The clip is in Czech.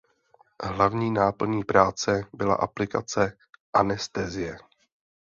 Hlavní náplní práce byla aplikace anestezie.